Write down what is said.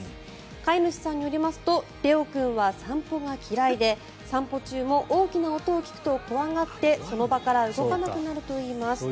飼い主さんによりますとれお君は散歩が嫌いで散歩中も大きな音を聞くと怖がってその場から動かなくなるといいます。